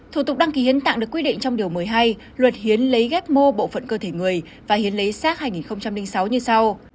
thủ tục đăng ký hiến tạng được quy định trong điều một mươi hai luật hiến lấy ghép mô bộ phận cơ thể người và hiến lấy sát hai nghìn sáu như sau